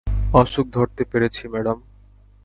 অসুখ ধরতে পেরেছি, ম্যাডাম।